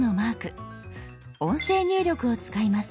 音声入力を使います。